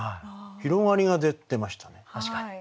広がりが出てましたね。